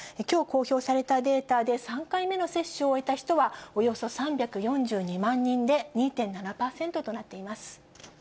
きょう公表されたデータで、３回目の接種を終えた人はおよそ３４２万人で、２．７％となっています。